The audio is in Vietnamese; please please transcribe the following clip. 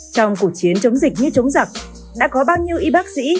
trong cuộc chiến chống dịch như chống giặc đã có bao nhiêu y bác sĩ